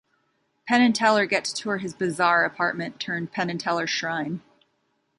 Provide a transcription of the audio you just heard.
Penn and Teller get to tour his bizarre apartment turned Penn and Teller shrine.